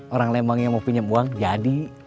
orang lembang yang mau pinjam uang jadi